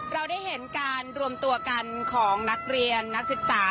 เราได้เห็นการรวมตัวกันของนักเรียนนักศึกษา